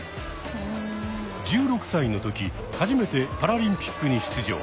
１６歳の時初めてパラリンピックに出場。